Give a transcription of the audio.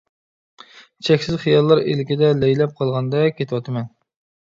چەكسىز خىياللار ئىلكىدە لەيلەپ قالغاندەك كېتىۋاتىمەن.